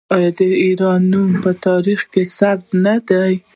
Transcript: آیا د ایران نوم په تاریخ کې ثبت نه دی؟